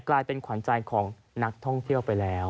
กลายเป็นขวัญใจของนักท่องเที่ยวไปแล้ว